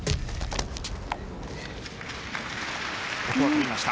ここは取りました。